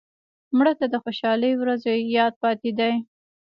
مړه ته د خوشحالۍ ورځو یاد پاتې دی